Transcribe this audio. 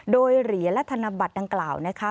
โดยเหรียญและธนบัตรดังกล่าวนะคะ